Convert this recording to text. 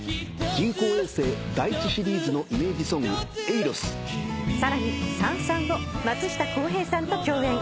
人工衛星「だいち」シリーズのイメージソング『ＡＬＯＳ』さらに『燦燦』を松下洸平さんと共演。